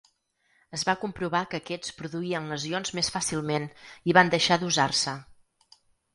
Es va comprovar que aquests produïen lesions més fàcilment i van deixar d'usar-se.